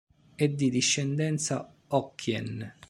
È di discendenza Hokkien.